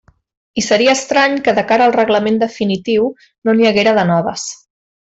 I seria estrany que de cara al reglament definitiu no n'hi haguera de noves.